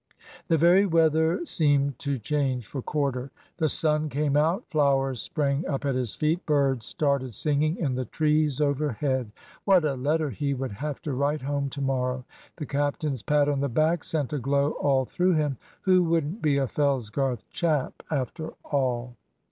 The very weather seemed to change for Corder. The sun came out, flowers sprang up at his feet, birds started singing in the trees overhead. What a letter he would have to write home to morrow! The captain's pat on the back sent a glow all through him. Who wouldn't be a Fellsgarth chap after all?